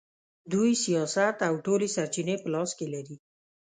دوی سیاست او ټولې سرچینې په لاس کې لري.